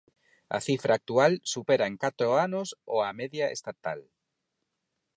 A cifra actual supera en catro anos o a media estatal.